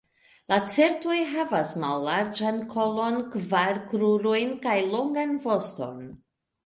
Lacertoj havas mallarĝan kolon, kvar krurojn kaj longan voston.